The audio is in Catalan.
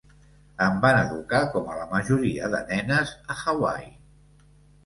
Em van educar com a la majoria de nenes a Hawaii.